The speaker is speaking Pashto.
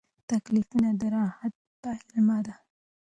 تکلیفونه د راحت پیلامه ده.